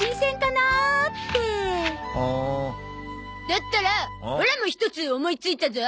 だったらオラも１つ思いついたゾ。